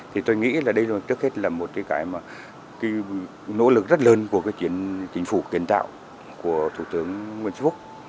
thì tôi nghĩ là đây trước hết là một cái nỗ lực rất lớn của chính phủ kiến tạo của thủ tướng nguyễn sư phúc